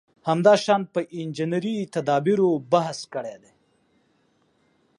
همداشان په انجنیري تدابېرو بحث کړی دی.